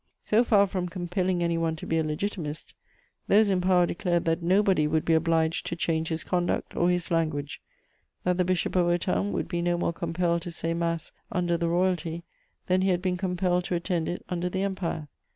So far from compelling anyone to be a Legitimist, those in power declared that nobody would be obliged to change his conduct or his language, that the Bishop of Autun would be no more compelled to say Mass under the Royalty than he had been compelled to attend it under the Empire.